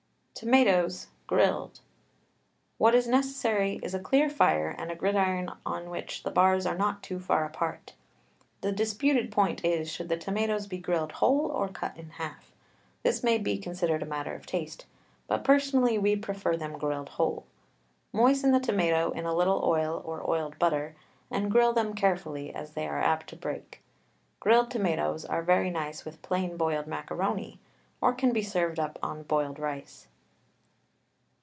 TOMATOES, GRILLED. What is necessary is a clear fire and a gridiron in which the bars are not too far apart. The disputed point is, should the tomatoes be grilled whole or cut in half? This may be considered a matter of taste, but personally we prefer them grilled whole. Moisten the tomato in a little oil or oiled butter, and grill them carefully, as they are apt to break. Grilled tomatoes are very nice with plain boiled macaroni, or can be served up on boiled rice.